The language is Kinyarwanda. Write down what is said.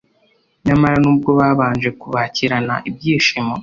Nyamara n’ubwo babanje kubakirana ibyishimo,